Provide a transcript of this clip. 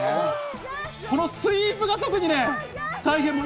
このスイープが特に大変。